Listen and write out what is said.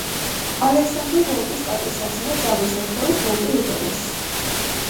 ალექსანდრო ვოლტის პატივსაცემად ძაბვის ერთეულს ვოლტი უწოდეს.